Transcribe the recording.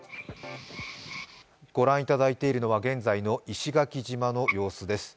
ご覧いただいているのは現在の石垣島の様子です。